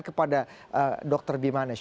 kepada dr bimanes